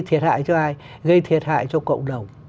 thiệt hại cho ai gây thiệt hại cho cộng đồng